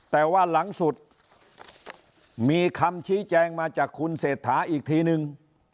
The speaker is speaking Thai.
แต่ว่าหลังสุดมีคำชี้แจงมาจากคุณเศรษฐาอีกทีนึง